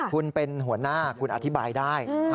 คุณเป็นหัวหน้าคุณอธิบายได้